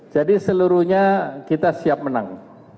jadi seluruhnya kita siap menang